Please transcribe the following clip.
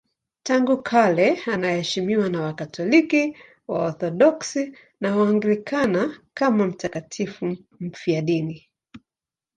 Tangu kale anaheshimiwa na Wakatoliki, Waorthodoksi na Waanglikana kama mtakatifu mfiadini.